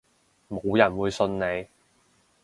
冇人會信你